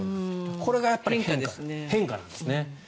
これが変化なんですね。